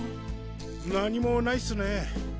何もないっスねぇ。